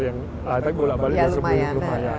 yang saya lihat tadi bolak balik sudah sepuluh